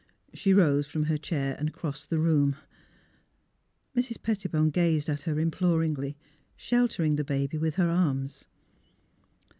She rose from her chair and crossed the room. Mrs. Pettibone gazed at her imploringly, shel tering the baby with her arms.